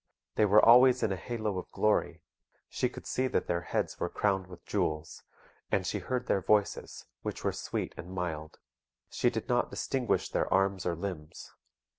They were always in a halo of glory; she could see that their heads were crowned with jewels: and she heard their voices, which were sweet and mild. She did not distinguish their arms or limbs.